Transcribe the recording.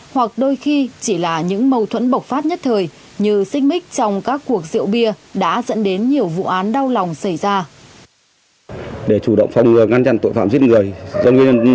hoặc đôi khi chỉ là những mâu thuẫn bộc phát nhất thời như xích mít trong các cuộc rượu bia đã dẫn đến nhiều vụ án đau lòng xảy ra